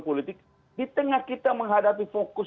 politik di tengah kita menghadapi fokus